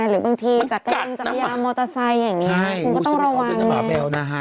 หรือบางทีจากเกรงจับยาวมอเตอร์ไซค์อย่างนี้คุณก็ต้องระวังนะฮะ